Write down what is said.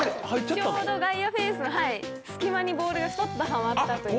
ちょうど外野フェンスの隙間にボールがスポっとハマったという。